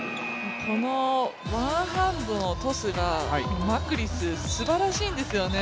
このワンハンドのトスが、マクリスすばらしいんですよね。